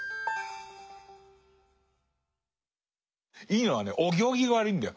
いいのはねお行儀が悪いんだよ。